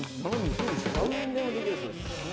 何でもできる？